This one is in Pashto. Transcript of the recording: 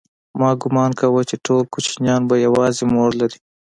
ما گومان کاوه چې ټول کوچنيان به يوازې مور لري.